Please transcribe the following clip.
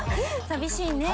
寂しいね。